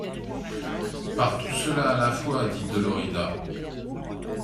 Par tout cela à la fois, dit Dolorida.